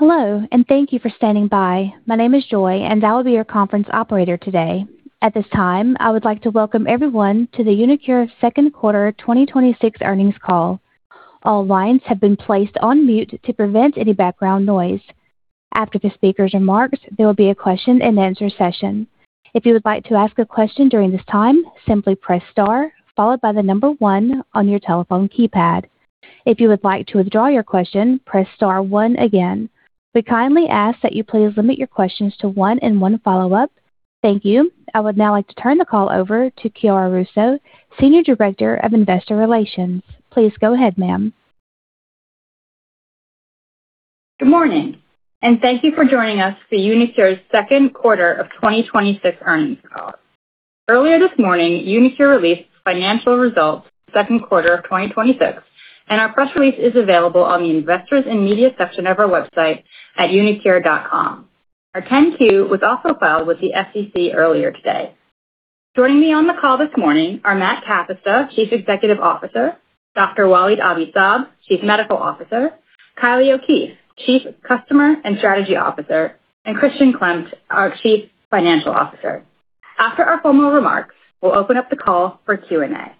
Hello, thank you for standing by. My name is Joy, I will be your conference operator today. At this time, I would like to welcome everyone to the uniQure Second Quarter 2026 Earnings Call. All lines have been placed on mute to prevent any background noise. After the speaker's remarks, there will be a question-and-answer session. If you would like to ask a question during this time, simply press star followed by the number 1 on your telephone keypad. If you would like to withdraw your question, press star 1 again. We kindly ask that you please limit your questions to one and one follow-up. Thank you. I would now like to turn the call over to Chiara Russo, Senior Director of Investor Relations. Please go ahead, ma'am. Good morning, thank you for joining us for uniQure's second quarter of 2026 earnings call. Earlier this morning, uniQure released financial results second quarter of 2026, our press release is available on the Investors and Media section of our website at uniqure.com. Our 10-Q was also filed with the SEC earlier today. Joining me on the call this morning are Matt Kapusta, Chief Executive Officer, Dr. Walid Abi-Saab, Chief Medical Officer, Kylie O'Keefe, Chief Customer and Strategy Officer, Christian Klemt, our Chief Financial Officer. After our formal remarks, we'll open up the call for Q&A.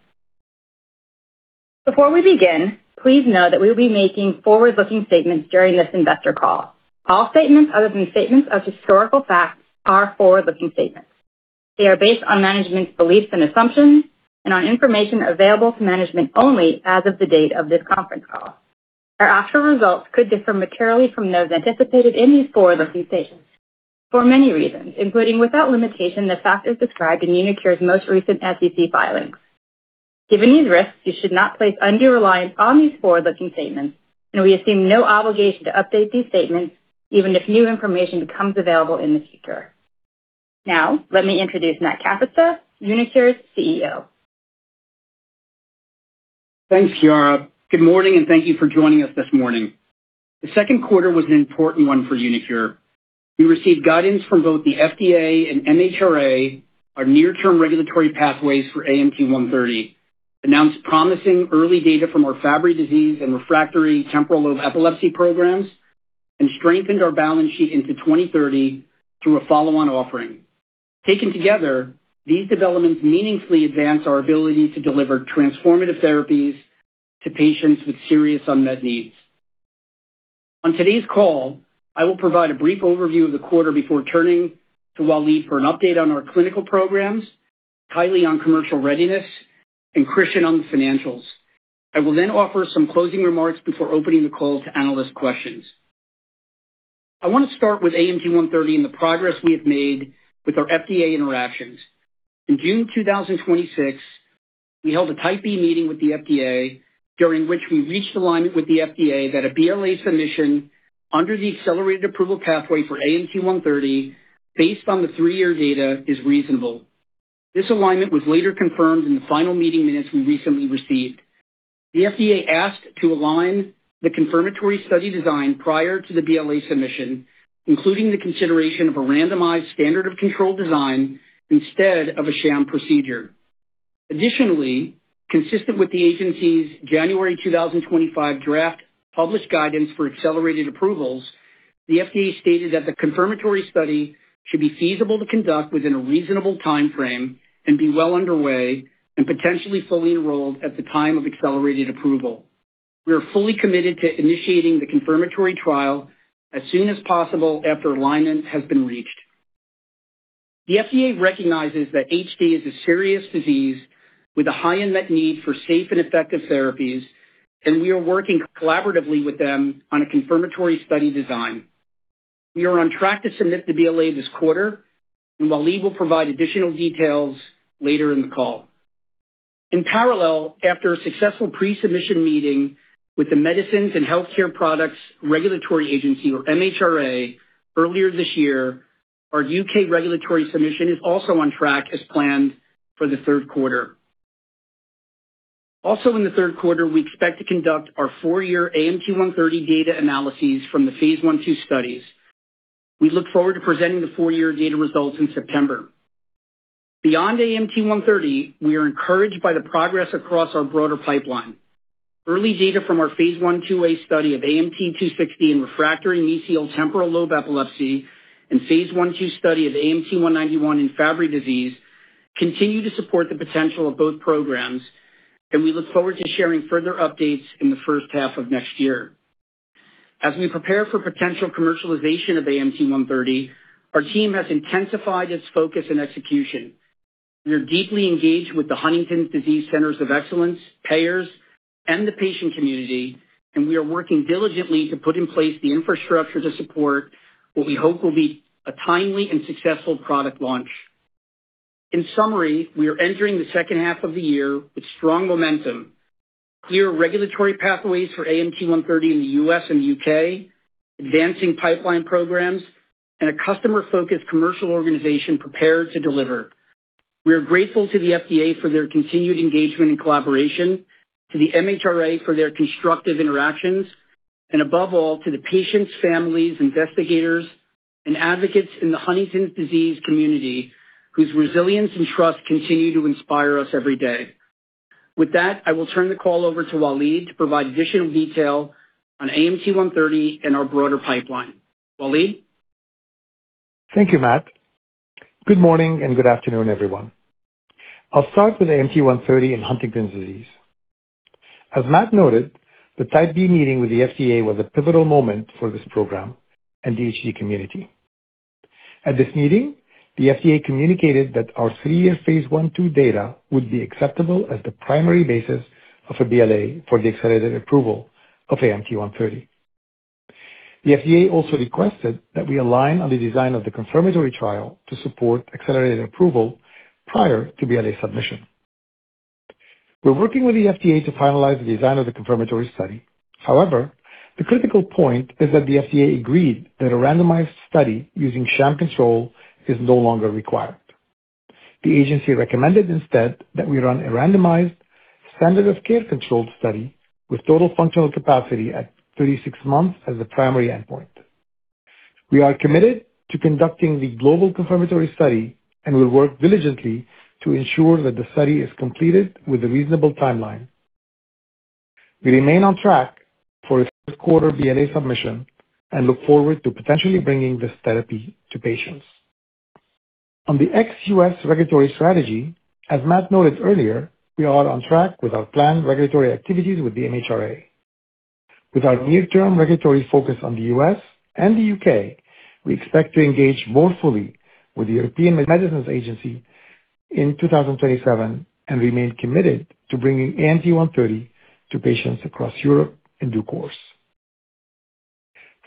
Before we begin, please know that we will be making forward-looking statements during this investor call. All statements other than statements of historical fact are forward-looking statements. They are based on management's beliefs and assumptions and on information available to management only as of the date of this conference call. Our actual results could differ materially from those anticipated in these forward-looking statements for many reasons, including, without limitation, the factors described in uniQure's most recent SEC filings. Given these risks, you should not place undue reliance on these forward-looking statements, we assume no obligation to update these statements, even if new information becomes available in the future. Now, let me introduce Matt Kapusta, uniQure's CEO. Thanks, Chiara. Good morning, thank you for joining us this morning. The second quarter was an important one for uniQure. We received guidance from both the FDA and MHRA on near-term regulatory pathways for AMT-130, announced promising early data from our Fabry disease and refractory temporal lobe epilepsy programs, strengthened our balance sheet into 2030 through a follow-on offering. Taken together, these developments meaningfully advance our ability to deliver transformative therapies to patients with serious unmet needs. On today's call, I will provide a brief overview of the quarter before turning to Walid for an update on our clinical programs, Kylie on commercial readiness, Christian on the financials. I will offer some closing remarks before opening the call to analyst questions. I want to start with AMT-130 and the progress we have made with our FDA interactions. In June 2026, we held a Type B meeting with the FDA, during which we reached alignment with the FDA that a BLA submission under the Accelerated Approval pathway for AMT-130 based on the three-year data is reasonable. This alignment was later confirmed in the final meeting minutes we recently received. FDA asked to align the confirmatory study design prior to the BLA submission, including the consideration of a randomized standard of control design instead of a sham procedure. Additionally, consistent with the agency's January 2025 draft published guidance for Accelerated Approvals, the FDA stated that the confirmatory study should be feasible to conduct within a reasonable timeframe and be well underway and potentially fully enrolled at the time of Accelerated Approval. We are fully committed to initiating the confirmatory trial as soon as possible after alignment has been reached. The FDA recognizes that HD is a serious disease with a high unmet need for safe and effective therapies. We are working collaboratively with them on a confirmatory study design. We are on track to submit the BLA this quarter. Walid will provide additional details later in the call. In parallel, after a successful pre-submission meeting with the Medicines and Healthcare products Regulatory Agency, or MHRA, earlier this year, our U.K. regulatory submission is also on track as planned for the third quarter. Also in the third quarter, we expect to conduct our four-year AMT-130 data analyses from the Phase I/II studies. We look forward to presenting the four-year data results in September. Beyond AMT-130, we are encouraged by the progress across our broader pipeline. Early data from our Phase I/II-A study of AMT-260 in refractory mesial temporal lobe epilepsy and Phase I/II study of AMT-191 in Fabry disease continue to support the potential of both programs. We look forward to sharing further updates in the first half of next year. As we prepare for potential commercialization of AMT-130, our team has intensified its focus and execution. We are deeply engaged with the Huntington's Disease Centers of Excellence, payers, and the patient community. We are working diligently to put in place the infrastructure to support what we hope will be a timely and successful product launch. In summary, we are entering the second half of the year with strong momentum, clear regulatory pathways for AMT-130 in the U.S. and U.K., advancing pipeline programs, and a customer-focused commercial organization prepared to deliver. We are grateful to the FDA for their continued engagement and collaboration, to the MHRA for their constructive interactions. Above all, to the patients, families, investigators, and advocates in the Huntington's disease community whose resilience and trust continue to inspire us every day. With that, I will turn the call over to Walid to provide additional detail on AMT-130 and our broader pipeline. Walid? Thank you, Matt. Good morning and good afternoon, everyone. I'll start with AMT-130 and Huntington's disease. As Matt noted, the Type B meeting with the FDA was a pivotal moment for this program and the HD community. At this meeting, the FDA communicated that our three-year phase I/II data would be acceptable as the primary basis of a BLA for the Accelerated Approval of AMT-130. The FDA also requested that we align on the design of the confirmatory trial to support Accelerated Approval prior to BLA submission. We're working with the FDA to finalize the design of the confirmatory study. The critical point is that the FDA agreed that a randomized study using sham control is no longer required. The agency recommended instead that we run a randomized standard-of-care controlled study with Total Functional Capacity at 36 months as the primary endpoint. We are committed to conducting the global confirmatory study and will work diligently to ensure that the study is completed with a reasonable timeline. We remain on track for a third quarter BLA submission and look forward to potentially bringing this therapy to patients. On the ex-U.S. regulatory strategy, as Matt noted earlier, we are on track with our planned regulatory activities with the MHRA. With our near-term regulatory focus on the U.S. and the U.K., we expect to engage more fully with the European Medicines Agency in 2027 and remain committed to bringing AMT-130 to patients across Europe in due course.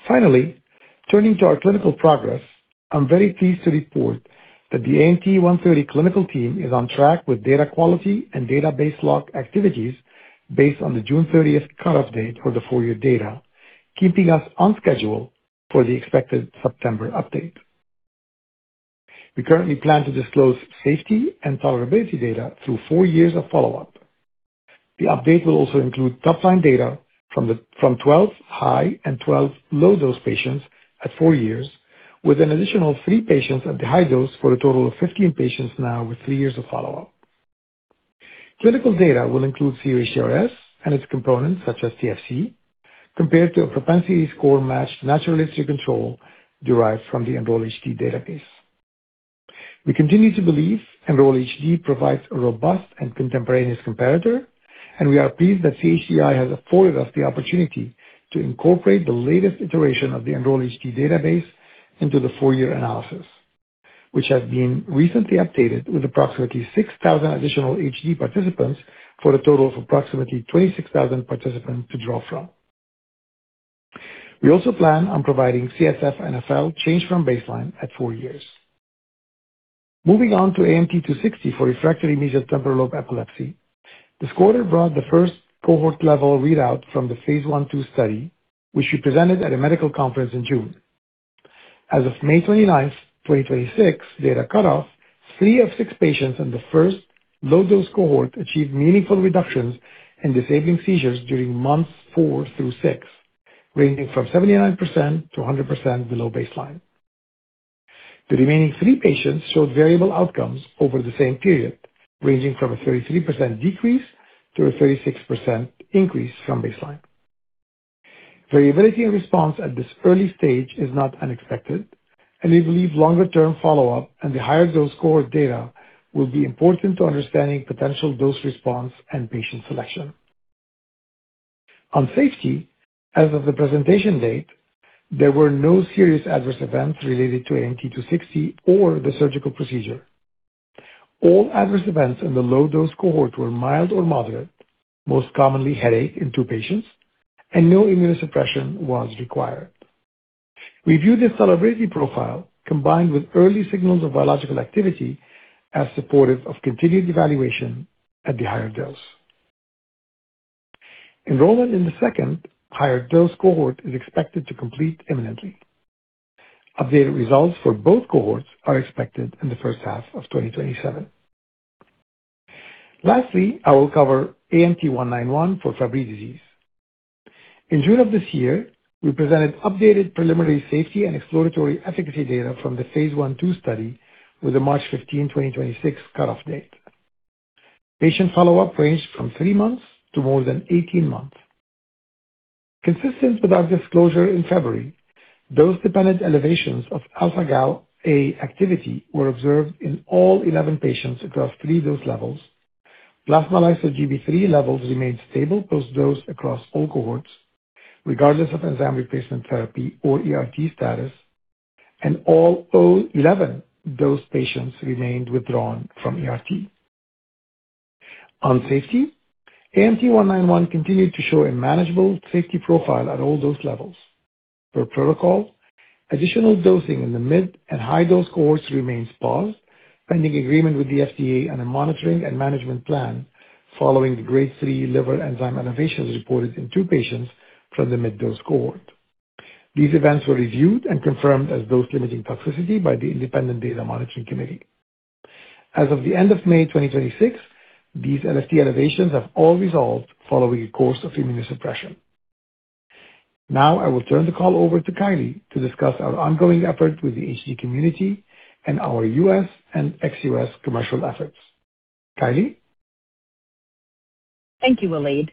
Turning to our clinical progress, I'm very pleased to report that the AMT-130 clinical team is on track with data quality and database lock activities based on the June 30th cutoff date for the four-year data, keeping us on schedule for the expected September update. We currently plan to disclose safety and tolerability data through four years of follow-up. The update will also include top-line data from 12 high and 12 low-dose patients at four years, with an additional three patients at the high dose for a total of 15 patients now with three years of follow-up. Clinical data will include cUHDRS and its components, such as TFC, compared to a propensity-score-matched natural history control derived from the Enroll-HD database. We continue to believe Enroll-HD provides a robust and contemporaneous comparator, and we are pleased that CHDI has afforded us the opportunity to incorporate the latest iteration of the Enroll-HD database into the four-year analysis, which has been recently updated with approximately 6,000 additional HD participants for a total of approximately 26,000 participants to draw from. We also plan on providing CSF NfL change from baseline at four years. Moving on to AMT-260 for refractory mesial temporal lobe epilepsy. This quarter brought the first cohort-level readout from the phase I/II study, which we presented at a medical conference in June. As of May 29th, 2026, data cut off, three of six patients in the first low-dose cohort achieved meaningful reductions in disabling seizures during months four through six, ranging from 79%-100% below baseline. The remaining three patients showed variable outcomes over the same period, ranging from a 33% decrease to a 36% increase from baseline. On safety, as of the presentation date, there were no serious adverse events related to AMT-260 or the surgical procedure. All adverse events in the low dose cohort were mild or moderate, most commonly headache in two patients, and no immunosuppression was required. We view this tolerability profile, combined with early signals of biological activity as supportive of continued evaluation at the higher dose. Enrollment in the second higher dose cohort is expected to complete imminently. Updated results for both cohorts are expected in the first half of 2027. Lastly, I will cover AMT-191 for Fabry disease. In June of this year, we presented updated preliminary safety and exploratory efficacy data from the phase I/II study with a March 15, 2026, cutoff date. Patient follow-up ranged from three months to more than 18 months. Consistent with our disclosure in February, dose-dependent elevations of alpha Gal A activity were observed in all 11 patients across three dose levels. Plasma lyso-Gb3 levels remained stable post-dose across all cohorts, regardless of enzyme replacement therapy or ERT status, and all 11 dosed patients remained withdrawn from ERT. On safety, AMT-191 continued to show a manageable safety profile at all dose levels. Per protocol, additional dosing in the mid and high-dose cohorts remains paused, pending agreement with the FDA on a monitoring and management plan following the grade 3 liver enzyme elevations reported in two patients from the mid-dose cohort. These events were reviewed and confirmed as dose-limiting toxicity by the independent data monitoring committee. As of the end of May 2026, these LFT elevations have all resolved following a course of immunosuppression. Now I will turn the call over to Kylie to discuss our ongoing effort with the HD community and our U.S. and ex-U.S. commercial efforts. Kylie? Thank you, Walid.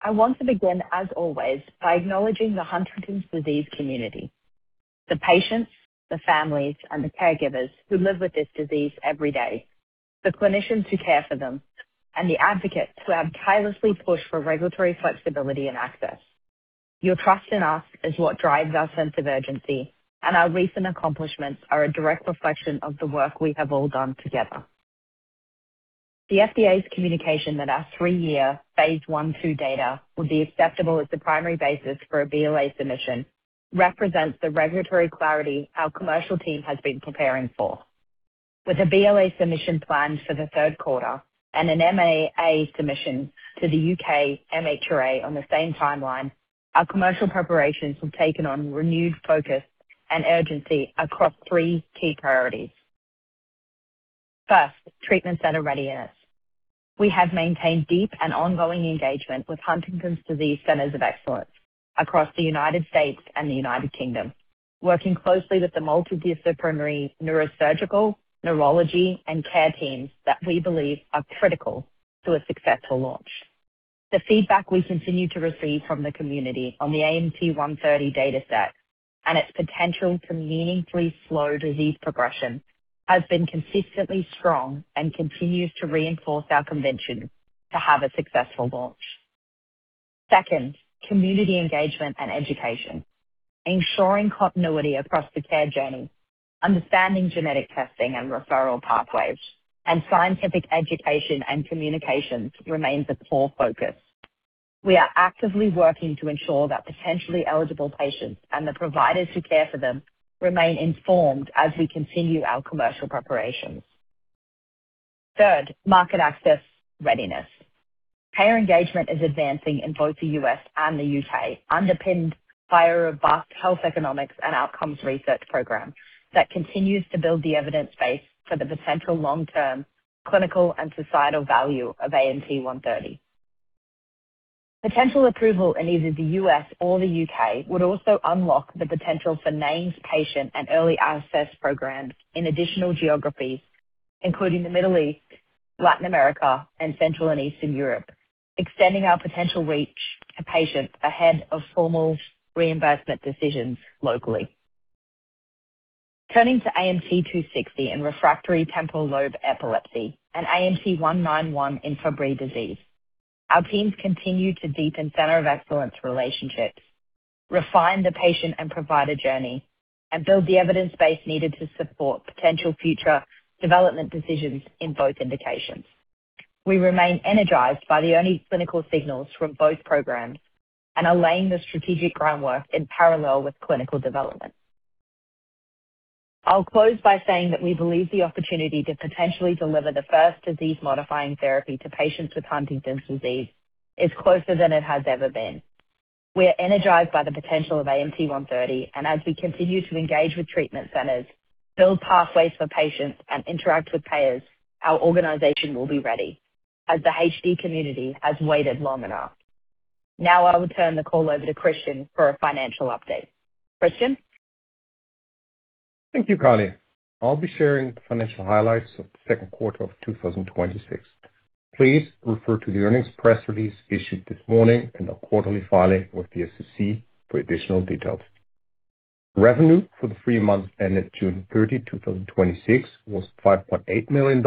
I want to begin, as always, by acknowledging the Huntington's disease community, the patients, the families, and the caregivers who live with this disease every day, the clinicians who care for them, and the advocates who have tirelessly pushed for regulatory flexibility and access. Your trust in us is what drives our sense of urgency, and our recent accomplishments are a direct reflection of the work we have all done together. The FDA's communication that our three-year phase I/II data will be acceptable as the primary basis for a BLA submission represents the regulatory clarity our commercial team has been preparing for. With a BLA submission planned for the third quarter, an MAA submission to the U.K. MHRA on the same timeline, our commercial preparations have taken on renewed focus and urgency across three key priorities. First, treatment center readiness. We have maintained deep and ongoing engagement with Huntington's disease centers of excellence across the United States and the United Kingdom, working closely with the multidisciplinary neurosurgical, neurology, and care teams that we believe are critical to a successful launch. The feedback we continue to receive from the community on the AMT-130 data set and its potential to meaningfully slow disease progression has been consistently strong and continues to reinforce our conviction to have a successful launch. Second, community engagement and education. Ensuring continuity across the care journey, understanding genetic testing and referral pathways, and scientific education and communications remains a core focus. We are actively working to ensure that potentially eligible patients and the providers who care for them remain informed as we continue our commercial preparations. Third, market access readiness. Payer engagement is advancing in both the U.S. and the U.K., underpinned by a robust health economics and outcomes research program that continues to build the evidence base for the potential long-term clinical and societal value of AMT-130. Potential approval in either the U.S. or the U.K. would also unlock the potential for named patient and early access programs in additional geographies, including the Middle East, Latin America, and Central and Eastern Europe, extending our potential reach to patients ahead of formal reimbursement decisions locally. Turning to AMT-260 and refractory temporal lobe epilepsy and AMT-191 in Fabry disease. Our teams continue to deepen center of excellence relationships, refine the patient and provider journey, and build the evidence base needed to support potential future development decisions in both indications. We remain energized by the early clinical signals from both programs and are laying the strategic groundwork in parallel with clinical development. I'll close by saying that we believe the opportunity to potentially deliver the first disease-modifying therapy to patients with Huntington's disease is closer than it has ever been. We are energized by the potential of AMT-130, and as we continue to engage with treatment centers, build pathways for patients, and interact with payers, our organization will be ready as the HD community has waited long enough. Now I will turn the call over to Christian for a financial update. Christian? Thank you, Kylie. I'll be sharing the financial highlights of the second quarter of 2026. Please refer to the earnings press release issued this morning and our quarterly filing with the SEC for additional details. Revenue for the three months ended June 30, 2026, was $5.8 million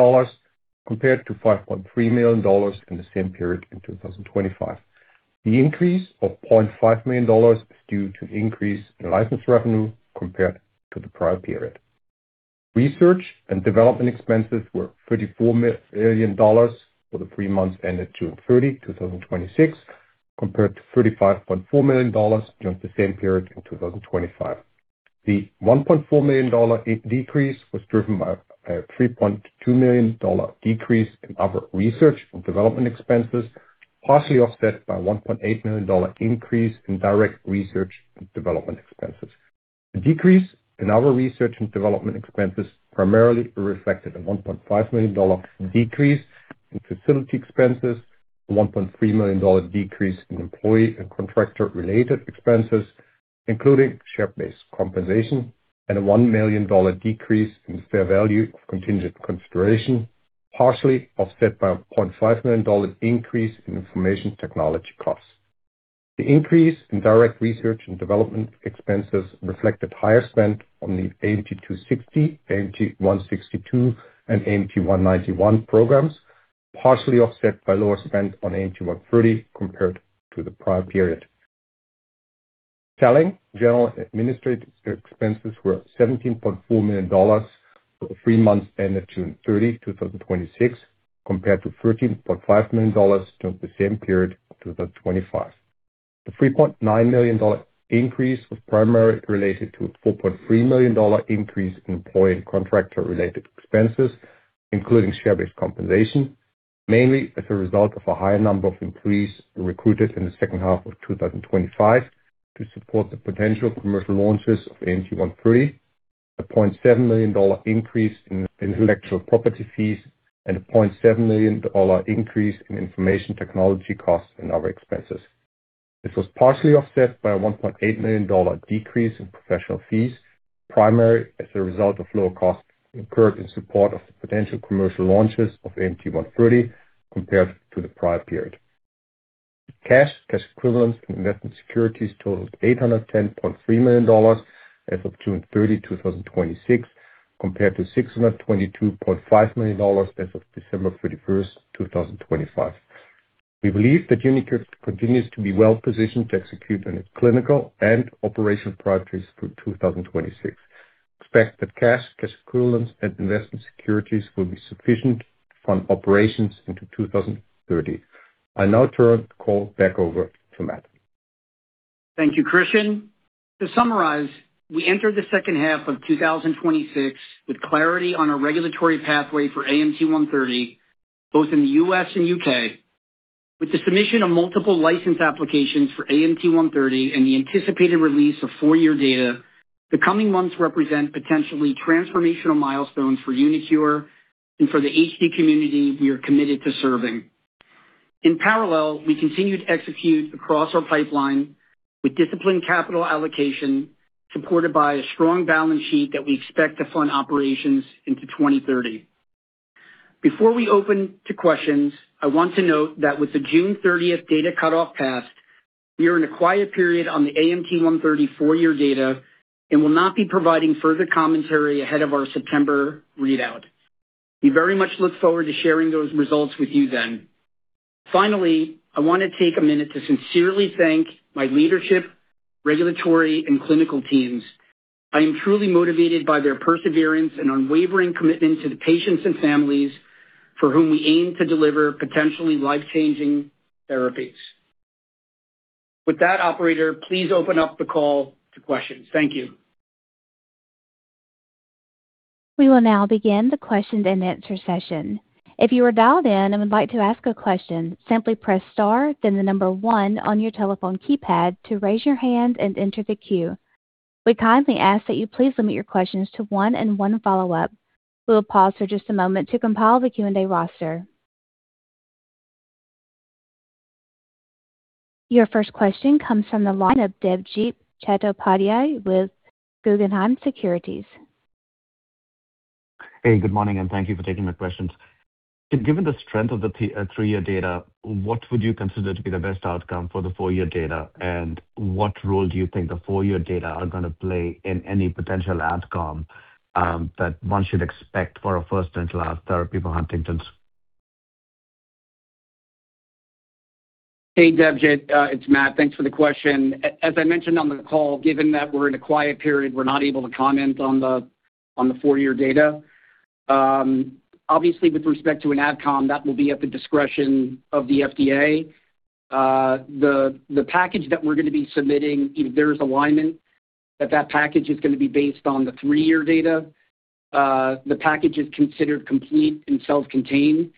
compared to $5.3 million in the same period in 2025. The increase of $0.5 million is due to increase in license revenue compared to the prior period. Research and development expenses were $34 million for the three months ended June 30, 2026, compared to $35.4 million during the same period in 2025. The $1.4 million decrease was driven by a $3.2 million decrease in other research and development expenses, partially offset by $1.8 million increase in direct research and development expenses. The decrease in our research and development expenses primarily reflected a $1.5 million decrease in facility expenses, a $1.3 million decrease in employee and contractor-related expenses, including share-based compensation, and a $1 million decrease in the fair value of contingent consideration, partially offset by a $500,000 increase in information technology costs. The increase in direct research and development expenses reflected higher spend on the AMT-260, AMT-162, and AMT-191 programs, partially offset by lower spend on AMT-130 compared to the prior period. Selling, general, and administrative expenses were $17.4 million for the three months ended June 30, 2026, compared to $13.5 million during the same period in 2025. The $3.9 million increase was primarily related to a $4.3 million increase in employee and contractor related expenses, including share-based compensation, mainly as a result of a higher number of employees recruited in the second half of 2025 to support the potential commercial launches of AMT-130. A $700,000 increase in intellectual property fees and a $700,000 increase in information technology costs and other expenses. This was partially offset by a $1.8 million decrease in professional fees, primarily as a result of lower costs incurred in support of the potential commercial launches of AMT-130 compared to the prior period. Cash, cash equivalents, and investment securities totaled $810.3 million as of June 30, 2026, compared to $622.5 million as of December 31, 2025. We believe that uniQure continues to be well-positioned to execute on its clinical and operational priorities through 2026. We expect that cash equivalents, and investment securities will be sufficient to fund operations into 2030. I now turn the call back over to Matt. Thank you, Christian. To summarize, we entered the second half of 2026 with clarity on our regulatory pathway for AMT-130, both in the U.S. and U.K. With the submission of multiple license applications for AMT-130 and the anticipated release of four-year data, the coming months represent potentially transformational milestones for uniQure and for the HD community we are committed to serving. In parallel, we continue to execute across our pipeline with disciplined capital allocation, supported by a strong balance sheet that we expect to fund operations into 2030. Before we open to questions, I want to note that with the June 30th data cutoff passed, we are in a quiet period on the AMT-130 four-year data and will not be providing further commentary ahead of our September readout. We very much look forward to sharing those results with you then. Finally, I want to take a minute to sincerely thank my leadership, regulatory, and clinical teams. I am truly motivated by their perseverance and unwavering commitment to the patients and families for whom we aim to deliver potentially life-changing therapies. With that, operator, please open up the call to questions. Thank you. We will now begin the question and answer session. If you are dialed in and would like to ask a question, simply press star then the number one on your telephone keypad to raise your hand and enter the queue. We kindly ask that you please limit your questions to one and one follow-up. We will pause for just a moment to compile the Q&A roster. Your first question comes from the line of Debjit Chattopadhyay with Guggenheim Securities. Hey, good morning, thank you for taking my questions. Given the strength of the three-year data, what would you consider to be the best outcome for the four-year data? What role do you think the four-year data are going to play in any potential AdCom that one should expect for a first-in-class therapy for Huntington's? Hey, Debjit. It's Matt. Thanks for the question. As I mentioned on the call, given that we're in a quiet period, we're not able to comment on the four-year data. Obviously, with respect to an AdCom, that will be at the discretion of the FDA. The package that we're going to be submitting, if there is alignment, that package is going to be based on the three-year data. The package is considered complete and self-contained.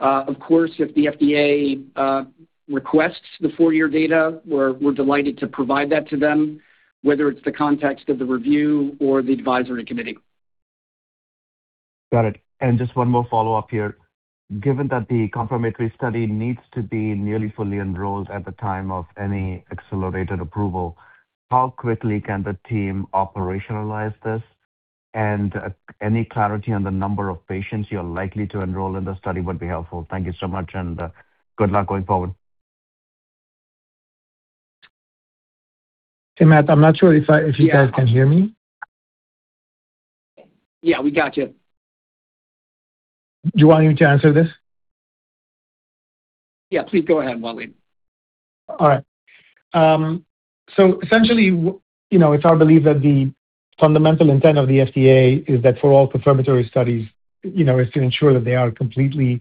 Of course, if the FDA requests the four-year data, we're delighted to provide that to them, whether it's the context of the review or the advisory committee. Got it. Just one more follow-up here. Given that the complementary study needs to be nearly fully enrolled at the time of any Accelerated Approval, how quickly can the team operationalize this? Any clarity on the number of patients you're likely to enroll in the study would be helpful. Thank you so much, and good luck going forward. Hey, Matt, I'm not sure if you guys can hear me. Yeah, we got you. Do you want me to answer this? Yeah, please go ahead, Walid. All right. Essentially, it's our belief that the fundamental intent of the FDA is that for all confirmatory studies, is to ensure that they are completed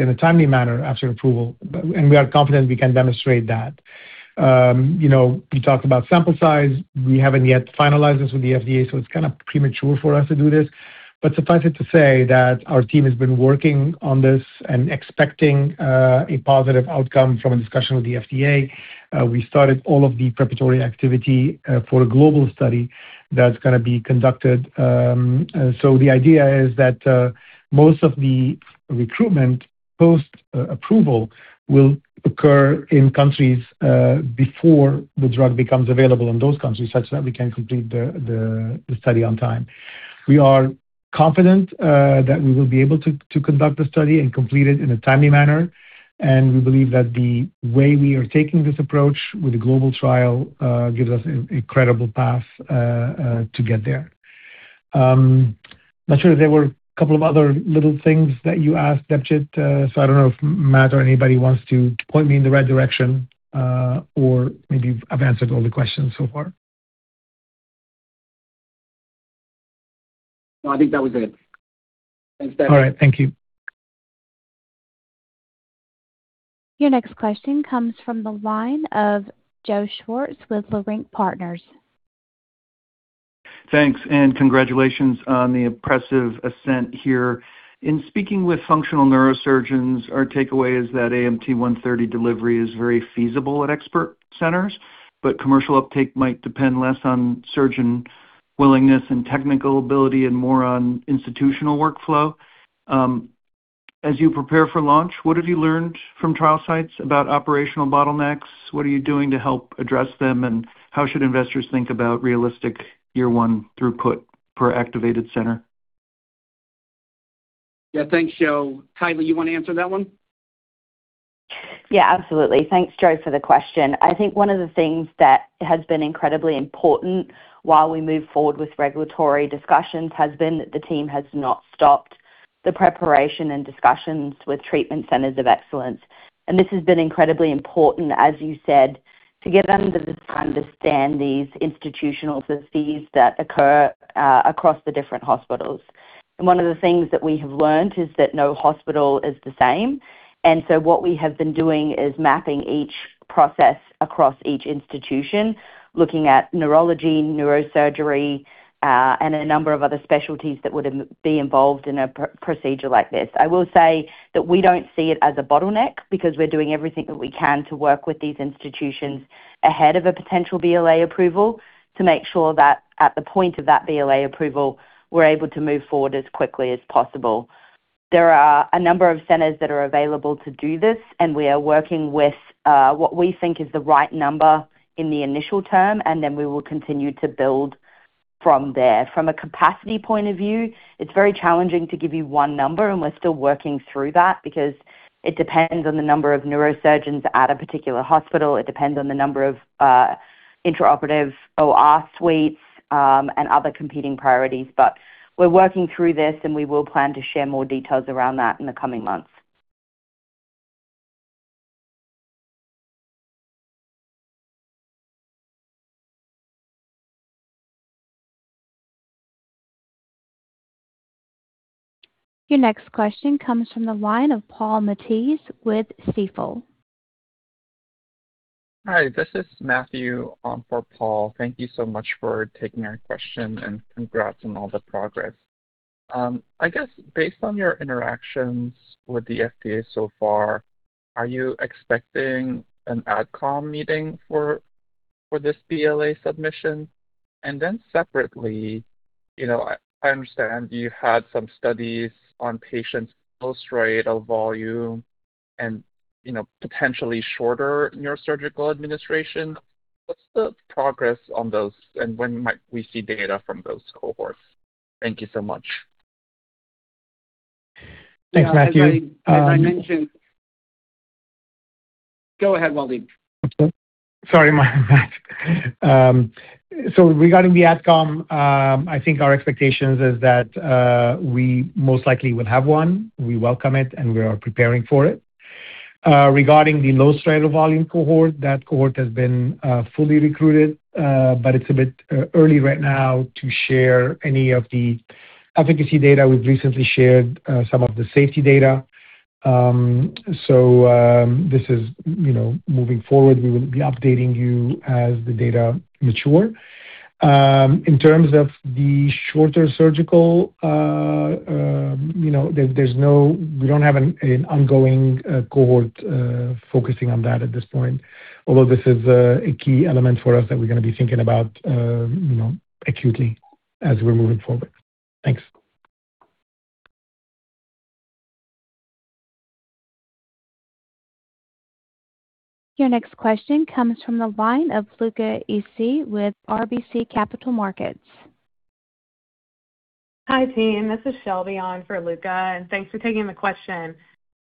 in a timely manner after approval. We are confident we can demonstrate that. You talked about sample size. We haven't yet finalized this with the FDA. It's kind of premature for us to do this. Suffice it to say that our team has been working on this and expecting a positive outcome from a discussion with the FDA. We started all of the preparatory activity for a global study that's going to be conducted. The idea is that most of the recruitment post-approval will occur in countries before the drug becomes available in those countries, such that we can complete the study on time. We are confident that we will be able to conduct the study and complete it in a timely manner. We believe that the way we are taking this approach with a global trial gives us a credible path to get there. Not sure if there were a couple of other little things that you asked, Debjit. I don't know if Matt or anybody wants to point me in the right direction, or maybe I've answered all the questions so far. No, I think that was it. Thanks, Debjit. All right, thank you. Your next question comes from the line of Joseph Schwartz with Leerink Partners. Thanks. Congratulations on the impressive ascent here. In speaking with functional neurosurgeons, our takeaway is that AMT-130 delivery is very feasible at expert centers, but commercial uptake might depend less on surgeon willingness and technical ability and more on institutional workflow. As you prepare for launch, what have you learned from trial sites about operational bottlenecks? What are you doing to help address them, and how should investors think about realistic year one throughput per activated center? Yeah, thanks, Joe. Kylie, you want to answer that one? Yeah, absolutely. Thanks, Joe, for the question. I think one of the things that has been incredibly important while we move forward with regulatory discussions has been that the team has not stopped the preparation and discussions with treatment centers of excellence. This has been incredibly important, as you said, to get them to understand these institutional nuances that occur across the different hospitals. One of the things that we have learned is that no hospital is the same. What we have been doing is mapping each process across each institution, looking at neurology, neurosurgery, and a number of other specialties that would be involved in a procedure like this. I will say that we don't see it as a bottleneck because we're doing everything that we can to work with these institutions ahead of a potential BLA approval to make sure that at the point of that BLA approval, we're able to move forward as quickly as possible. There are a number of centers that are available to do this, and we are working with what we think is the right number in the initial term, and then we will continue to build from there. From a capacity point of view, it's very challenging to give you one number, and we're still working through that because it depends on the number of neurosurgeons at a particular hospital. It depends on the number of intraoperative OR suites, and other competing priorities. We're working through this and we will plan to share more details around that in the coming months. Your next question comes from the line of Paul Matteis with Stifel. Hi, this is Matthew for Paul. Thank you so much for taking our question and congrats on all the progress. I guess based on your interactions with the FDA so far, are you expecting an AdCom meeting for this BLA submission? Separately, I understand you had some studies on patients' low striatal volume and potentially shorter neurosurgical administration. What's the progress on those, and when might we see data from those cohorts? Thank you so much. Thanks, Matthew. As I mentioned Go ahead, Walid. Sorry, Matt. Regarding the AdCom, I think our expectations is that we most likely will have one. We welcome it, and we are preparing for it. Regarding the low striatal volume cohort, that cohort has been fully recruited, but it's a bit early right now to share any of the efficacy data. We've recently shared some of the safety data. This is moving forward, we will be updating you as the data mature. In terms of the shorter surgical, we don't have an ongoing cohort focusing on that at this point, although this is a key element for us that we're going to be thinking about acutely as we're moving forward. Thanks. Your next question comes from the line of Luca Issi with RBC Capital Markets. Hi, team. This is Shelby on for Luca, and thanks for taking the question.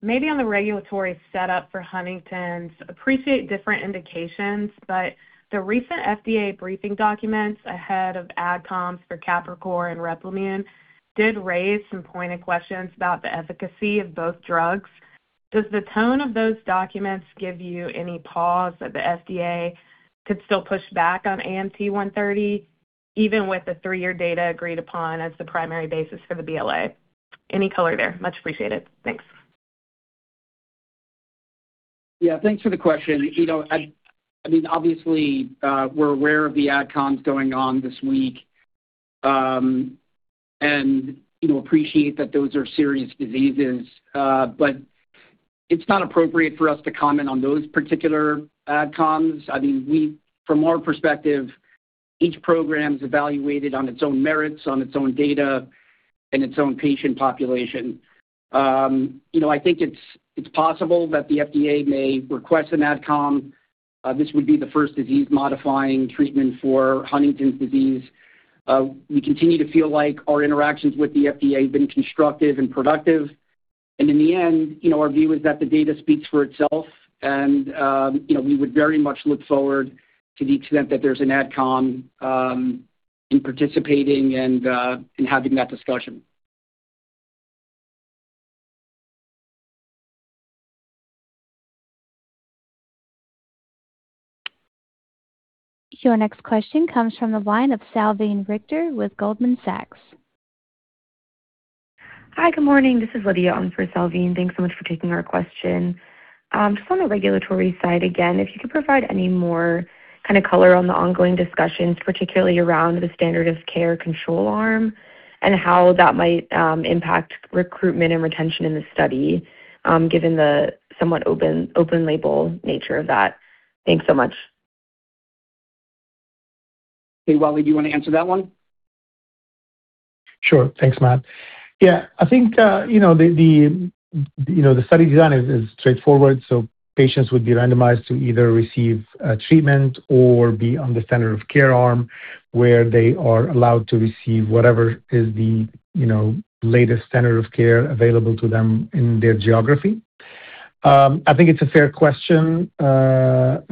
Maybe on the regulatory setup for Huntington's. Appreciate different indications, but the recent FDA briefing documents ahead of AdComs for Capricor and Replimune did raise some pointed questions about the efficacy of both drugs. Does the tone of those documents give you any pause that the FDA could still push back on AMT-130, even with the three-year data agreed upon as the primary basis for the BLA? Any color there, much appreciated. Thanks. Yeah, thanks for the question. Obviously, we're aware of the AdComs going on this week, and appreciate that those are serious diseases. It's not appropriate for us to comment on those particular AdComs. From our perspective, each program is evaluated on its own merits, on its own data, and its own patient population. I think it's possible that the FDA may request an AdCom. This would be the first disease-modifying treatment for Huntington's disease. We continue to feel like our interactions with the FDA have been constructive and productive. In the end, our view is that the data speaks for itself and we would very much look forward to the extent that there's an AdCom in participating and having that discussion. Your next question comes from the line of Salveen Richter with Goldman Sachs. Hi, good morning. This is Lydia on for Salveen. Thanks so much for taking our question. Just on the regulatory side, again, if you could provide any more kind of color on the ongoing discussions, particularly around the standard of care control arm and how that might impact recruitment and retention in the study, given the somewhat open-label nature of that. Thanks so much Hey, Walid, do you want to answer that one? Sure. Thanks, Matt. Yeah, I think, the study design is straightforward. Patients would be randomized to either receive treatment or be on the standard of care arm, where they are allowed to receive whatever is the latest standard of care available to them in their geography. I think it's a fair question that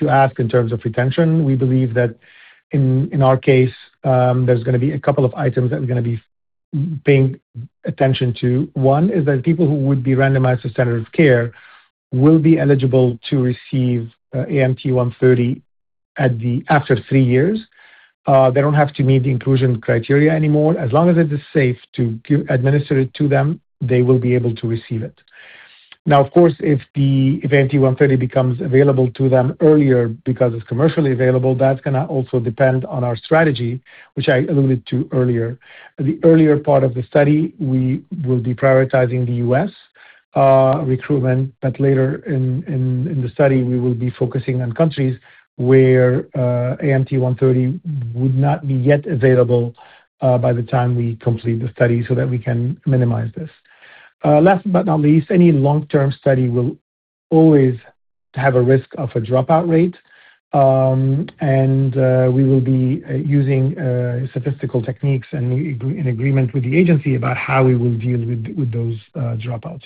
you ask in terms of retention. We believe that in our case, there's going to be a couple of items that we're going to be paying attention to. One is that people who would be randomized to standard of care will be eligible to receive AMT-130 after three years. They don't have to meet the inclusion criteria anymore. As long as it is safe to administer it to them, they will be able to receive it. Now, of course, if AMT-130 becomes available to them earlier because it's commercially available, that's going to also depend on our strategy, which I alluded to earlier. The earlier part of the study, we will be prioritizing the U.S. recruitment, but later in the study, we will be focusing on countries where AMT-130 would not be yet available by the time we complete the study so that we can minimize this. Last but not least, any long-term study will always have a risk of a dropout rate. We will be using statistical techniques and in agreement with the agency about how we will deal with those dropouts.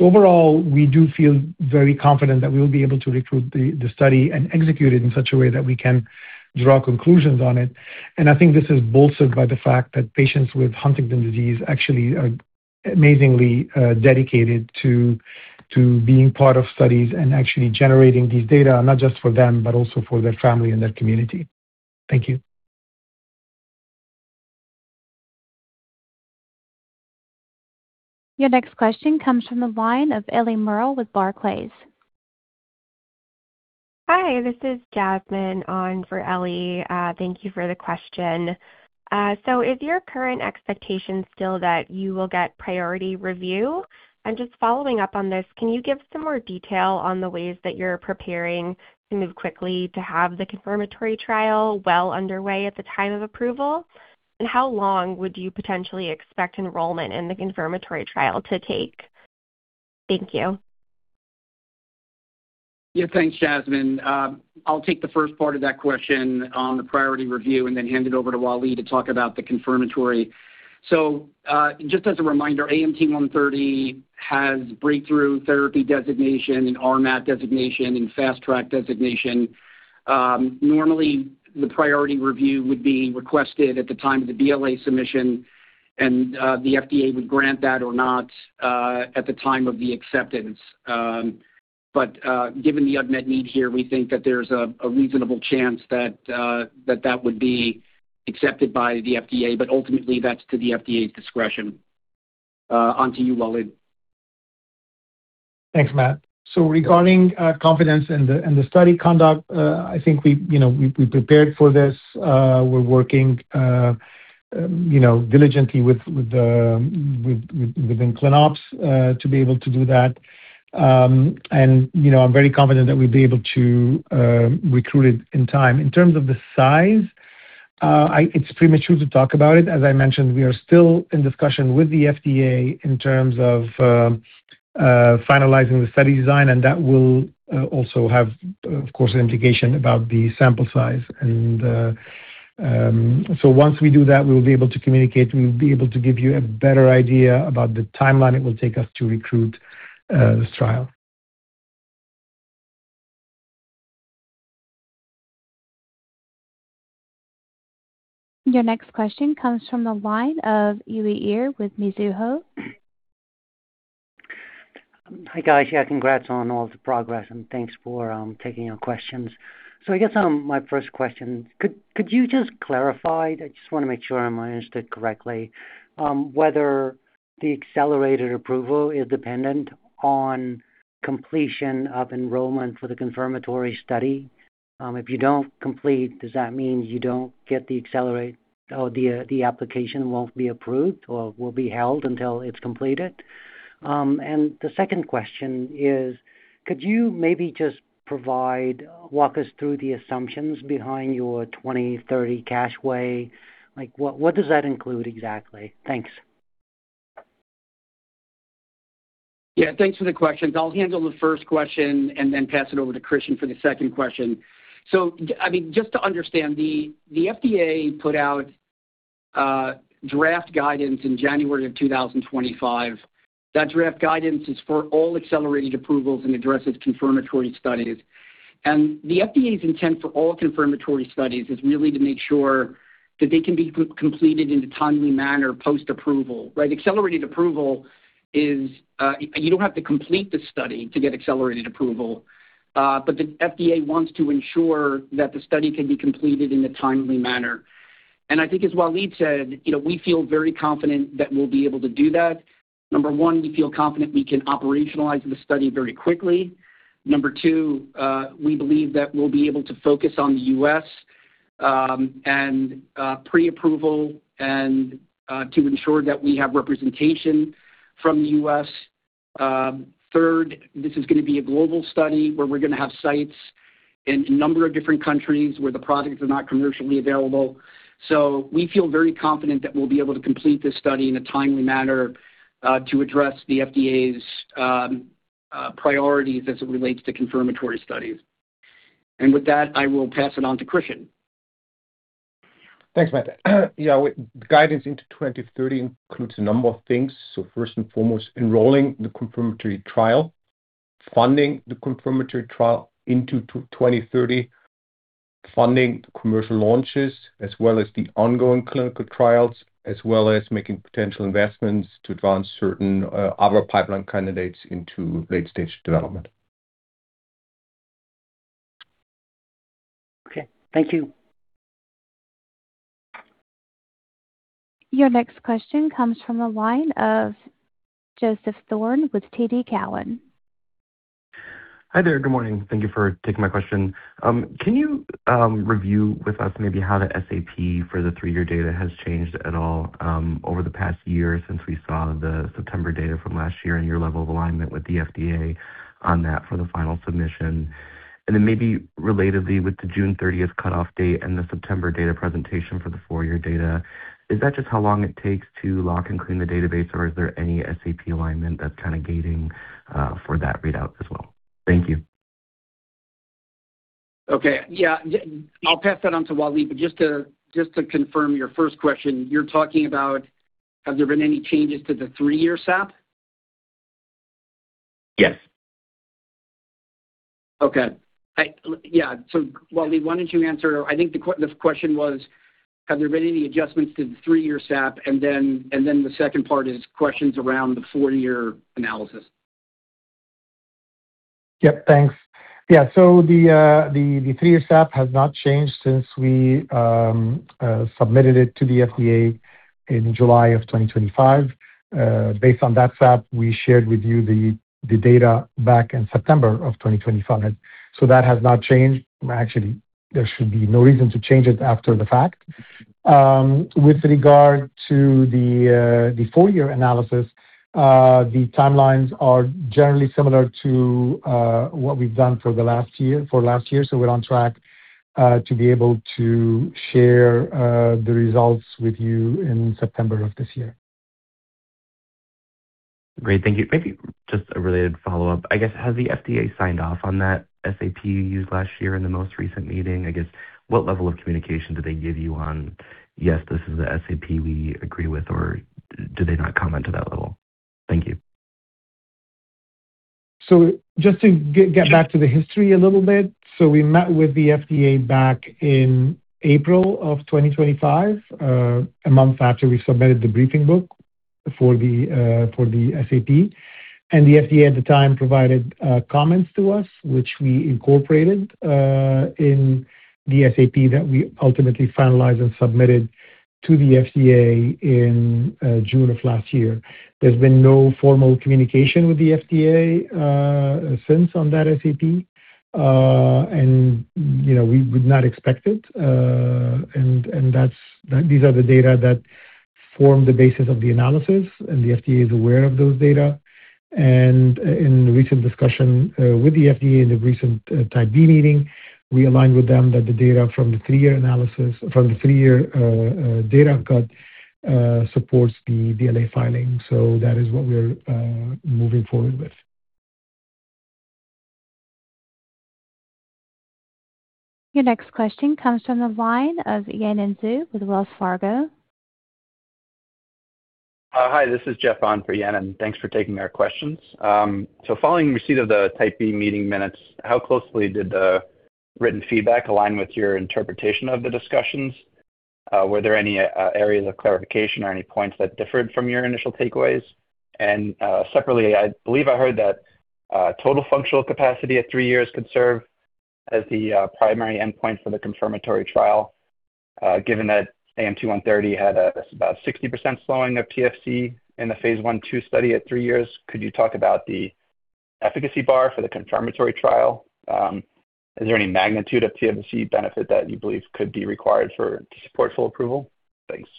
Overall, we do feel very confident that we will be able to recruit the study and execute it in such a way that we can draw conclusions on it. I think this is bolstered by the fact that patients with Huntington's disease actually are amazingly dedicated to being part of studies and actually generating these data, not just for them, but also for their family and their community. Thank you. Your next question comes from the line of Elli Murrell with Barclays. Hi, this is Jasmine on for Elli. Thank you for the question. Is your current expectation still that you will get priority review? Just following up on this, can you give some more detail on the ways that you're preparing to move quickly to have the confirmatory trial well underway at the time of approval? How long would you potentially expect enrollment in the confirmatory trial to take? Thank you. Thanks, Jasmine. I'll take the first part of that question on the priority review and then hand it over to Walid to talk about the confirmatory. Just as a reminder, AMT-130 has breakthrough therapy designation and RMAT designation and Fast Track designation. Normally, the priority review would be requested at the time of the BLA submission, and the FDA would grant that or not at the time of the acceptance. Given the unmet need here, we think that there's a reasonable chance that that would be accepted by the FDA. Ultimately, that's to the FDA's discretion. On to you, Walid. Thanks, Matt. Regarding confidence and the study conduct, I think we prepared for this. We're working diligently within ClinOps to be able to do that. I'm very confident that we'll be able to recruit it in time. In terms of the size, it's premature to talk about it. As I mentioned, we are still in discussion with the FDA in terms of finalizing the study design, and that will also have, of course, an implication about the sample size. Once we do that, we will be able to communicate, we will be able to give you a better idea about the timeline it will take us to recruit this trial. Your next question comes from the line of Uy Ear with Mizuho. Hi, guys. Congrats on all the progress, and thanks for taking our questions. I guess my first question, could you just clarify, I just want to make sure I understood correctly, whether the accelerated approval is dependent on completion of enrollment for the confirmatory study? If you don't complete, does that mean you don't get the application won't be approved or will be held until it's completed? The second question is, could you maybe just provide, walk us through the assumptions behind your 2030 cash runway? What does that include exactly? Thanks. Yeah, thanks for the questions. I'll handle the first question and then pass it over to Christian for the second question. Just to understand, the FDA put out draft guidance in January of 2025. That draft guidance is for all Accelerated Approvals and addresses confirmatory studies. The FDA's intent for all confirmatory studies is really to make sure that they can be completed in a timely manner post-approval. Right? Accelerated Approval is, you don't have to complete the study to get Accelerated Approval. The FDA wants to ensure that the study can be completed in a timely manner. I think as Walid said, we feel very confident that we'll be able to do that. Number one, we feel confident we can operationalize the study very quickly. Number two, we believe that we'll be able to focus on the U.S., and pre-approval and to ensure that we have representation from the U.S. Third, this is going to be a global study where we're going to have sites in a number of different countries where the products are not commercially available. We feel very confident that we'll be able to complete this study in a timely manner to address the FDA's priorities as it relates to confirmatory studies. With that, I will pass it on to Christian. Thanks, Matt. Yeah. The guidance into 2030 includes a number of things. First and foremost, enrolling the confirmatory trial, funding the confirmatory trial into 2030, funding the commercial launches as well as the ongoing clinical trials, as well as making potential investments to advance certain other pipeline candidates into late-stage development. Okay. Thank you. Your next question comes from the line of Joseph Thome with TD Cowen. Hi there. Good morning. Thank you for taking my question. Can you review with us maybe how the SAP for the three-year data has changed at all over the past year since we saw the September data from last year and your level of alignment with the FDA on that for the final submission? Then maybe relatedly with the June 30th cutoff date and the September data presentation for the four-year data, is that just how long it takes to lock and clean the database or is there any SAP alignment that's kind of gating for that readout as well? Thank you. Okay. Yeah. I'll pass that on to Walid, just to confirm your first question, you're talking about has there been any changes to the three-year SAP? Yes. Okay. Yeah. Walid, why don't you answer? I think the question was have there been any adjustments to the three-year SAP? The second part is questions around the four-year analysis. Yep. Thanks. Yeah. The three-year SAP has not changed since we submitted it to the FDA in July of 2025. Based on that SAP, we shared with you the data back in September of 2025. That has not changed. Actually, there should be no reason to change it after the fact. With regard to the four-year analysis, the timelines are generally similar to what we've done for last year. We're on track to be able to share the results with you in September of this year. Great. Thank you. Maybe just a related follow-up, I guess. Has the FDA signed off on that SAP you used last year in the most recent meeting? I guess, what level of communication did they give you on "Yes, this is the SAP we agree with," or do they not comment to that level? Thank you. Just to get back to the history a little bit. We met with the FDA back in April of 2025, a month after we submitted the briefing book for the SAP. The FDA at the time provided comments to us, which we incorporated in the SAP that we ultimately finalized and submitted to the FDA in June of last year. There's been no formal communication with the FDA since on that SAP. We would not expect it. These are the data that form the basis of the analysis, and the FDA is aware of those data. In recent discussion with the FDA in the recent Type B meeting, we aligned with them that the data from the 3-year data cut supports the BLA filing. That is what we're moving forward with. Your next question comes from the line of Yanan Zhu with Wells Fargo. Hi, this is Jeff on for Yanan. Thanks for taking our questions. Following receipt of the Type B meeting minutes, how closely did the written feedback align with your interpretation of the discussions? Were there any areas of clarification or any points that differed from your initial takeaways? Separately, I believe I heard that total functional capacity at three years could serve as the primary endpoint for the confirmatory trial. Given that AMT-130 had about 60% slowing of TFC in the phase I/II study at three years, could you talk about the efficacy bar for the confirmatory trial? Is there any magnitude of TFC benefit that you believe could be required to support full approval? Thanks.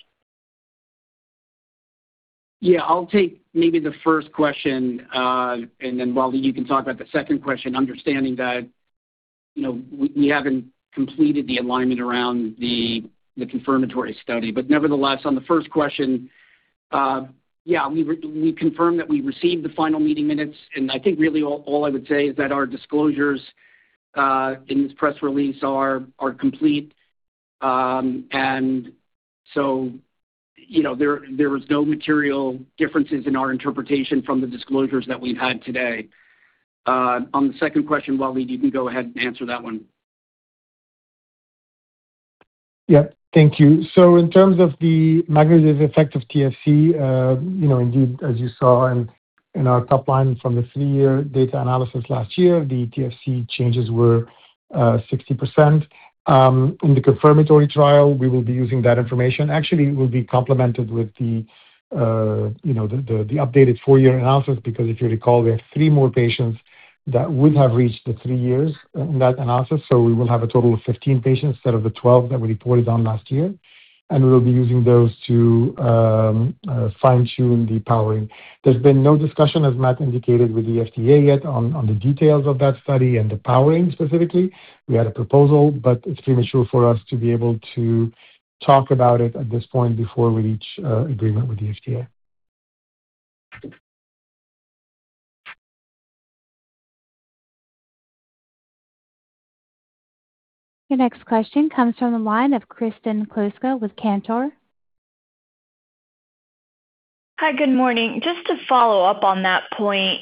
I'll take maybe the first question, then Walid you can talk about the second question, understanding that we haven't completed the alignment around the confirmatory study. Nevertheless, on the first question, we confirmed that we received the final meeting minutes, and I think really all I would say is that our disclosures in this press release are complete. There was no material differences in our interpretation from the disclosures that we've had today. On the second question, Walid you can go ahead and answer that one. Thank you. In terms of the magnitude effect of TFC, indeed as you saw in our top line from the three-year data analysis last year, the TFC changes were 60%. In the confirmatory trial, we will be using that information. It will be complemented with the updated four-year analysis, because if you recall, we have three more patients that would have reached the three years in that analysis. We will have a total of 15 patients instead of the 12 that we reported on last year. We will be using those to fine-tune the powering. There's been no discussion, as Matt indicated, with the FDA yet on the details of that study and the powering specifically. We had a proposal, it's premature for us to be able to talk about it at this point before we reach agreement with the FDA. Your next question comes from the line of Kristen Kluska with Cantor. Hi, good morning. Just to follow up on that point.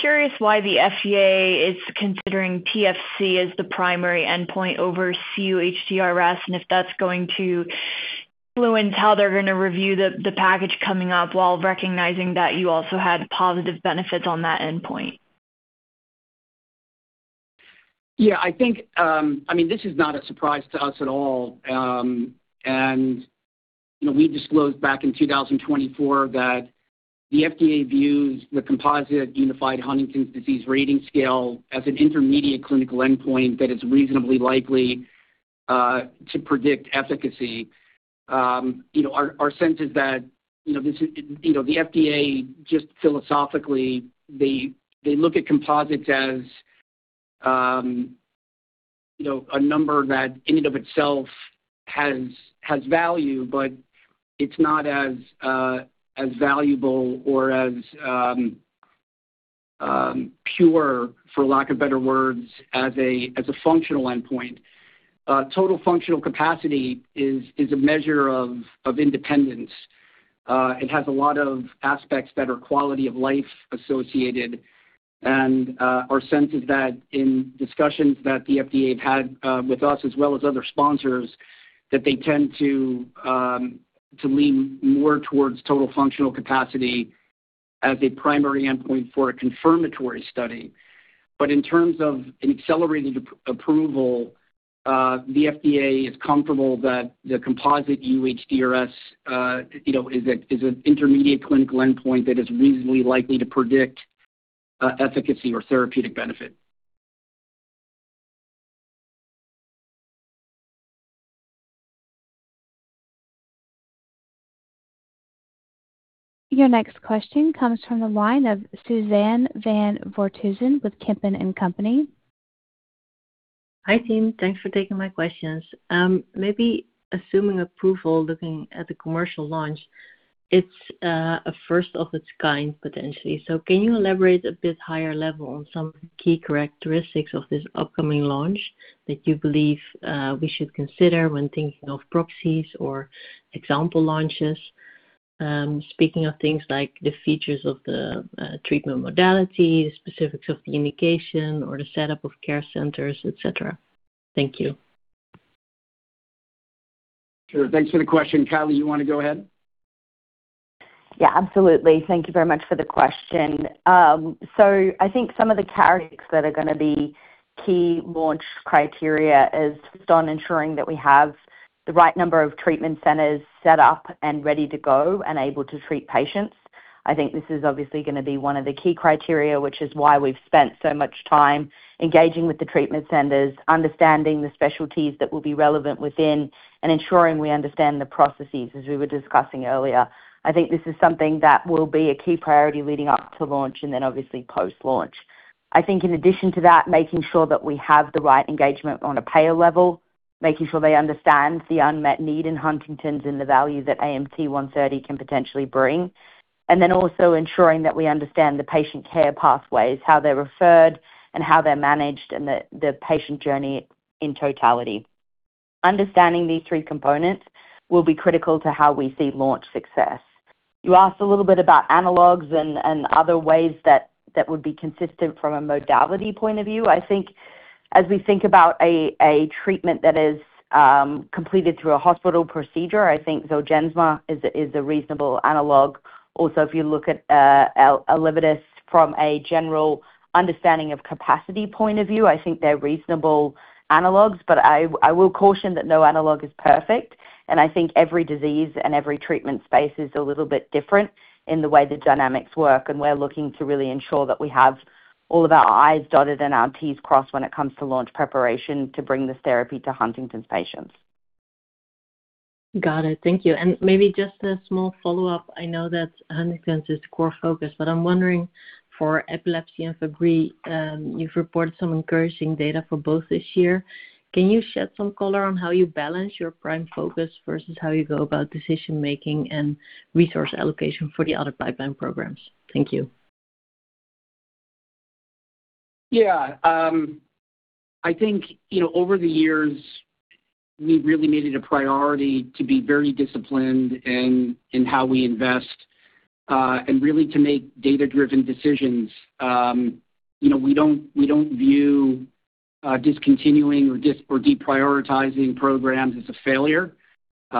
Curious why the FDA is considering TFC as the primary endpoint over cUHDRS and if that's going to influence how they're going to review the package coming up while recognizing that you also had positive benefits on that endpoint. Yeah, this is not a surprise to us at all. We disclosed back in 2024 that the FDA views the Composite Unified Huntington's Disease Rating Scale as an intermediate clinical endpoint that is reasonably likely to predict efficacy. Our sense is that the FDA just philosophically, they look at composites as a number that in and of itself has value, but it's not as valuable or as pure, for lack of better words, as a functional endpoint. Total functional capacity is a measure of independence. It has a lot of aspects that are quality of life associated. Our sense is that in discussions that the FDA have had with us as well as other sponsors, that they tend to lean more towards total functional capacity as a primary endpoint for a confirmatory study. In terms of an Accelerated Approval, the FDA is comfortable that the composite cUHDRS is an intermediate clinical endpoint that is reasonably likely to predict efficacy or therapeutic benefit. Your next question comes from the line of Suzanne van Voorthuizen with Kempen & Co. Hi, team. Thanks for taking my questions. Maybe assuming approval, looking at the commercial launch, it's a first of its kind, potentially. Can you elaborate a bit higher level on some key characteristics of this upcoming launch that you believe we should consider when thinking of proxies or example launches? Speaking of things like the features of the treatment modality, the specifics of the indication or the setup of care centers, et cetera. Thank you. Sure. Thanks for the question. Kylie, you want to go ahead? Yeah, absolutely. Thank you very much for the question. I think some of the characteristics that are going to be key launch criteria is focused on ensuring that we have the right number of treatment centers set up and ready to go and able to treat patients. I think this is obviously going to be one of the key criteria, which is why we've spent so much time engaging with the treatment centers, understanding the specialties that will be relevant within, and ensuring we understand the processes, as we were discussing earlier. I think this is something that will be a key priority leading up to launch and then obviously post-launch. I think in addition to that, making sure that we have the right engagement on a payer level, making sure they understand the unmet need in Huntington's and the value that AMT-130 can potentially bring, and then also ensuring that we understand the patient care pathways, how they're referred and how they're managed, and the patient journey in totality. Understanding these three components will be critical to how we see launch success. You asked a little bit about analogs and other ways that would be consistent from a modality point of view. I think as we think about a treatment that is completed through a hospital procedure, I think ZOLGENSMA is a reasonable analog. Also, if you look at ELEVIDYS from a general understanding of capacity point of view, I think they're reasonable analogs. I will caution that no analog is perfect, and I think every disease and every treatment space is a little bit different in the way the dynamics work. We're looking to really ensure that we have all of our I's dotted and our T's crossed when it comes to launch preparation to bring this therapy to Huntington's patients. Got it. Thank you. Maybe just a small follow-up. I know that Huntington's is core focus, but I'm wondering for epilepsy and Fabry, you've reported some encouraging data for both this year. Can you shed some color on how you balance your prime focus versus how you go about decision-making and resource allocation for the other pipeline programs? Thank you. Yeah. I think over the years, we've really made it a priority to be very disciplined in how we invest and really to make data-driven decisions. We don't view discontinuing or deprioritizing programs as a failure. We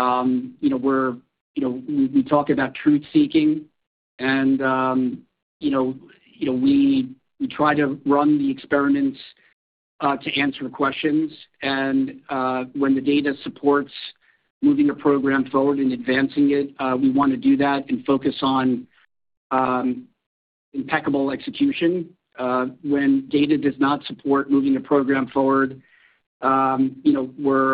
talk about truth-seeking We try to run the experiments to answer questions. When the data supports moving a program forward and advancing it, we want to do that and focus on impeccable execution. When data does not support moving a program forward, we're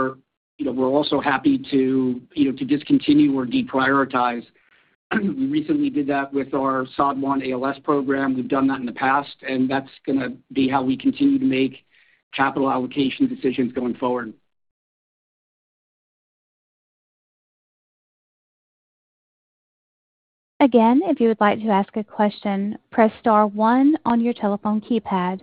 also happy to discontinue or deprioritize. We recently did that with our SOD1-ALS program. We've done that in the past, that's going to be how we continue to make capital allocation decisions going forward. Again, if you would like to ask a question, press star one on your telephone keypad.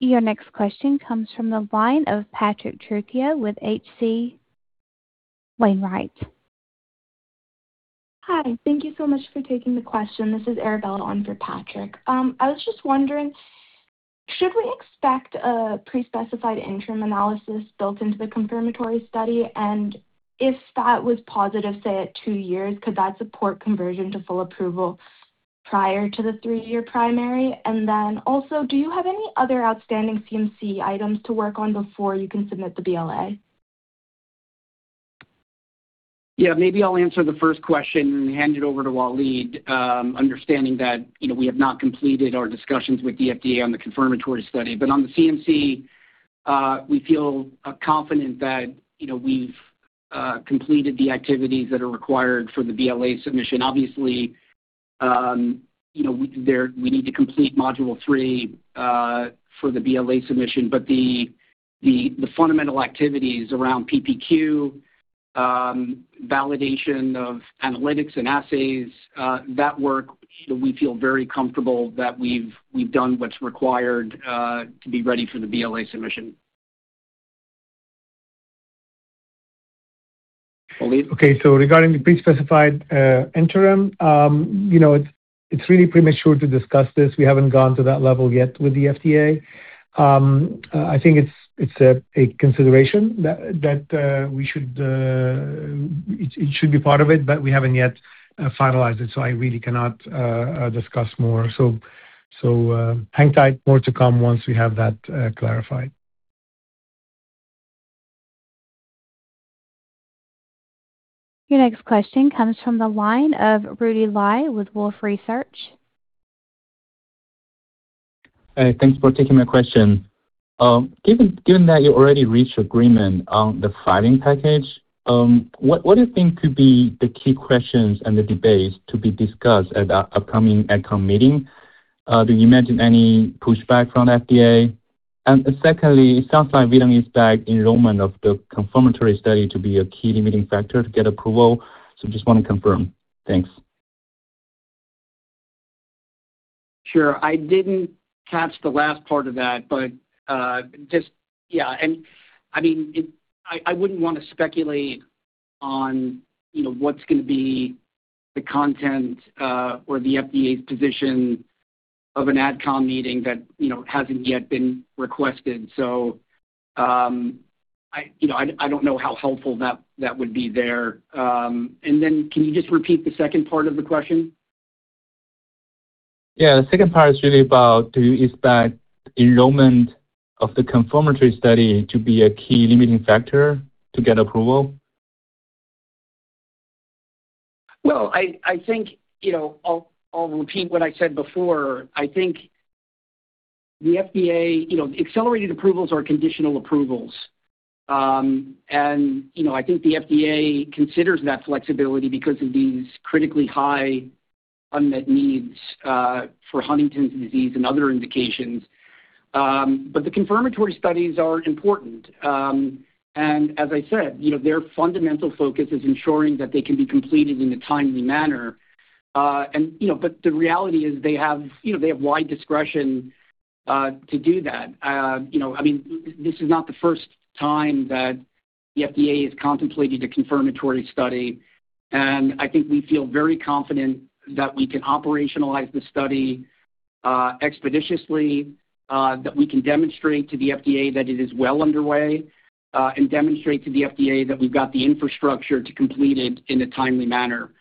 Your next question comes from the line of Patrick Trucchio with H.C. Wainwright. Hi. Thank you so much for taking the question. This is Arabella on for Patrick. I was just wondering, should we expect a pre-specified interim analysis built into the confirmatory study? If that was positive, say, at two years, could that support conversion to full approval prior to the three-year primary? Then also, do you have any other outstanding CMC items to work on before you can submit the BLA? Yeah, maybe I'll answer the first question and hand it over to Walid, understanding that we have not completed our discussions with the FDA on the confirmatory study. On the CMC, we feel confident that we've completed the activities that are required for the BLA submission. Obviously, we need to complete module 3 for the BLA submission, but the fundamental activities around PPQ, validation of analytics and assays, that work, we feel very comfortable that we've done what's required to be ready for the BLA submission. Walid? Okay, regarding the pre-specified interim, it's really premature to discuss this. We haven't gone to that level yet with the FDA. I think it's a consideration that it should be part of it, but we haven't yet finalized it, I really cannot discuss more. Hang tight. More to come once we have that clarified. Your next question comes from the line of Rudy Li with Wolfe Research. Thanks for taking my question. Given that you already reached agreement on the filing package, what do you think could be the key questions and the debates to be discussed at the upcoming AdCom meeting? Do you imagine any pushback from FDA? Secondly, it sounds like we don't expect enrollment of the confirmatory study to be a key limiting factor to get approval. Just want to confirm. Thanks. Sure. I didn't catch the last part of that. I wouldn't want to speculate on what's going to be the content or the FDA's position of an AdCom meeting that hasn't yet been requested. I don't know how helpful that would be there. Then can you just repeat the second part of the question? Yeah. The second part is really about, do you expect enrollment of the confirmatory study to be a key limiting factor to get approval? Well, I'll repeat what I said before. Accelerated approvals are conditional approvals. I think the FDA considers that flexibility because of these critically high unmet needs for Huntington's disease and other indications. The confirmatory studies are important. As I said, their fundamental focus is ensuring that they can be completed in a timely manner. The reality is they have wide discretion to do that. This is not the first time that the FDA has contemplated a confirmatory study, and I think we feel very confident that we can operationalize the study expeditiously, that we can demonstrate to the FDA that it is well underway, and demonstrate to the FDA that we've got the infrastructure to complete it in a timely manner.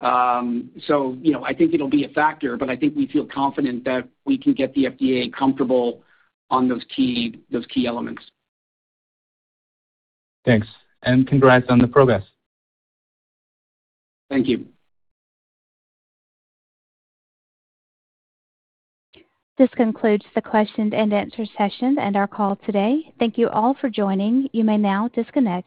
I think it'll be a factor, but I think we feel confident that we can get the FDA comfortable on those key elements. Thanks, congrats on the progress. Thank you. This concludes the question and answer session and our call today. Thank you all for joining. You may now disconnect.